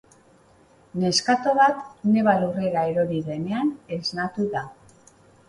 Neskato bat neba lurrera erori denean esnatu da.